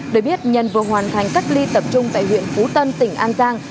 để biết nhân vừa hoàn thành cách ly tập trung tại huyện phú tân tỉnh an giang